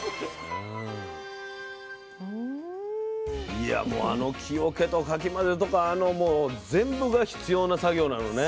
いやもうあの木桶とかき混ぜとかあのもう全部が必要な作業なのね。